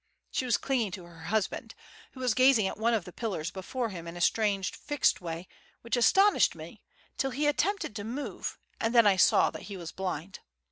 She was clinging to her husband, who was gazing at one of the pillars before him in a strange fixed way which astonished me till he attempted to move, and then I saw that he was blind.